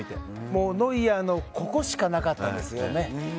もうノイアーのここしかなかったですよね。